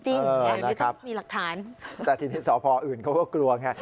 แบบนี้ต้องมีหลักฐานจริงนะครับแต่ที่นี่สพอื่นเขาก็กลัวค่ะ